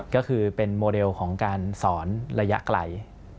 ก็คือเป็นโมเดลของการสอนระยะไกล